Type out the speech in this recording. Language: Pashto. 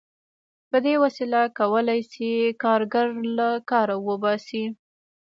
په دې وسیله کولای شي کارګر له کاره وباسي